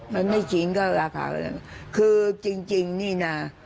มันไม่ชิ้นก็ราคาคือจริงนี่นะ